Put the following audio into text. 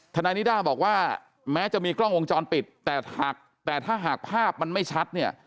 ทนายนิด้าบอกว่าแม้จะมีกล้องวงจรปิดแต่ถ้าหากภาพมันไม่ชัดเนี่ย